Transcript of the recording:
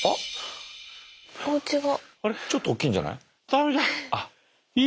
ちょっと大きいんじゃない？